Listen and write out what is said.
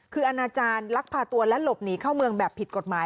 คืออนาจารย์ลักพาตัวและหลบหนีเข้าเมืองแบบผิดกฎหมาย